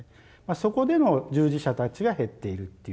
そこでの従事者たちが減っているっていう。